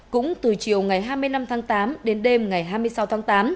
cũng từ chiều ngày hai mươi năm tháng tám đến đêm ngày hai mươi sáu tháng tám